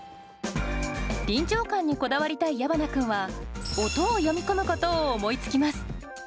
臨場感にこだわりたい矢花君は音を詠み込むことを思いつきます。